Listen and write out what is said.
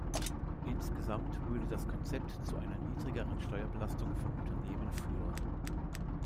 Insgesamt würde das Konzept zu einer niedrigeren Steuerbelastung von Unternehmen führen.